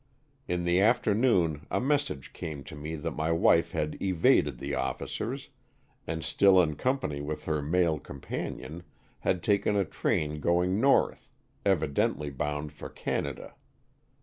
In the afternoon a message came to me that my wife had evaded the officers, and still in company with her male companion had taken a train going 30 Stories from the Adirondacks* north, evidently bound for Canada.